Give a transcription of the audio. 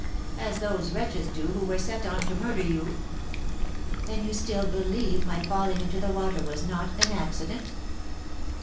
"As those wretches do who were set on to murder you!" "Then you still believe my falling into the water was not an accident?"